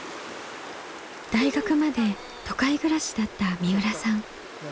大学まで都会暮らしだった三浦さん。